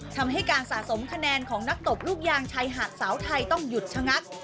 ทำให้การสะสมคะแนนของนักตบลูกยางชายหาดสาวไทยต้องหยุดชะงัก